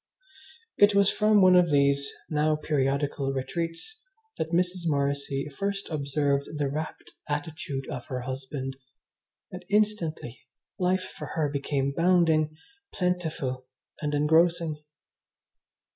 It was from one of these, now periodical, retreats that Mrs. Morrissy first observed the rapt attitude of her husband, and, instantly, life for her became bounding, plentiful, and engrossing.